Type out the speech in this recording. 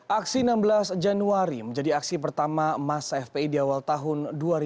aksi enam belas januari menjadi aksi pertama masa fpi di awal tahun dua ribu dua puluh